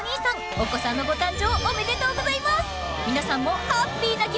［お子さんのご誕生おめでとうございます］